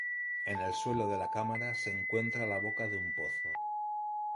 En el suelo de la cámara se encuentra la boca de un pozo.